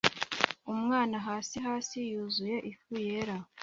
Umwana hasi hasi yuzuye ifu yera